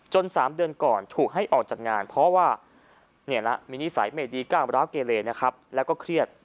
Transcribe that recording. ๓เดือนก่อนถูกให้ออกจากงานเพราะว่ามีนิสัยไม่ดีกล้ามร้าวเกเลนะครับแล้วก็เครียด